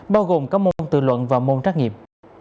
bao gồm các môn tự luận và môn trách nghiệm